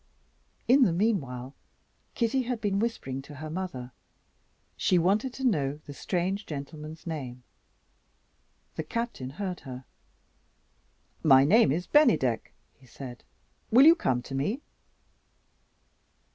In the meanwhile, Kitty had been whispering to her mother. She wanted to know the strange gentleman's name. The Captain heard her. "My name is Bennydeck," he said; "will you come to me?"